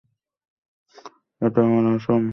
এটা আমার আসন।